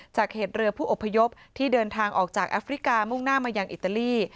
เหตุเรือผู้อพยพที่เดินทางออกจากแอฟริกามุ่งหน้ามายังอิตาลี